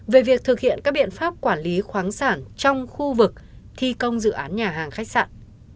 về việc thực hiện các biện pháp quản lý khoáng sản trong khu vực thi công dự án nhà hàng khách sạn